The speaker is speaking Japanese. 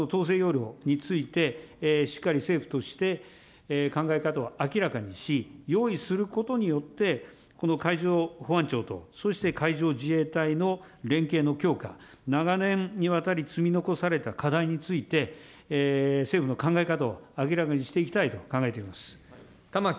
ぜひこの統制要領について、しっかり政府として考え方を明らかにし、用意することによって、この海上保安庁とそして、海上自衛隊の連携の強化、長年にわたり積み残された課題について、政府の考え方を明らかにしていきたいと考えています。